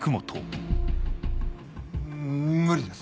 む無理です。